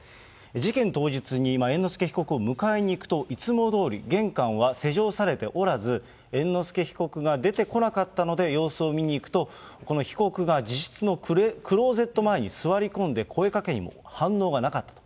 事件当日に、猿之助被告を迎えに行くと、いつもどおり玄関は施錠されておらず、猿之助被告が出てこなかったので、様子を見に行くと、この被告が自室のクローゼット前に座り込んで、声かけにも反応がなかったと。